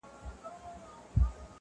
چي د ملالي د ټپې زور یې لیدلی نه وي-